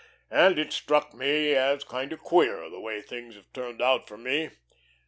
And it struck me as kind of queer the way things have turned out for me....